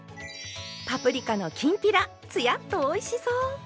パプリカのきんぴらつやっとおいしそう！